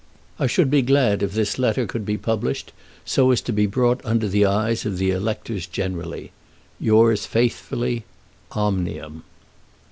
I should be glad if this letter could be published so as to be brought under the eyes of the electors generally. Yours faithfully, OMNIUM.